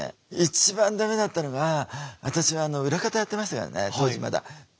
一番ダメだったのが私はあの裏方やってましたからね当時まだ。